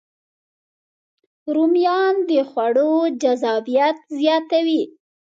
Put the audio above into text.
رومیان د خوړو جذابیت زیاتوي